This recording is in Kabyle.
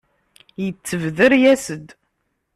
Yettebder, yas-d.